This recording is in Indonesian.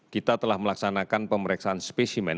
kita telah melaksanakan pemeriksaan spesimen